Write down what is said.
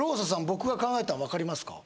僕が考えたの分かりますか？